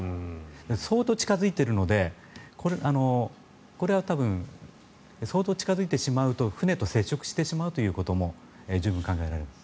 相当近付いているのでこれは相当近付いてしまうと船と接触してしまうことも十分考えられます。